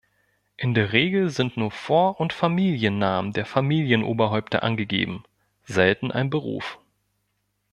In der Regel sind nur Vor- und Familiennamen der Familienoberhäupter angegeben, selten ein Beruf.